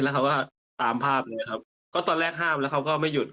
แล้วเขาก็ตามภาพนี้ครับก็ตอนแรกห้ามแล้วเขาก็ไม่หยุด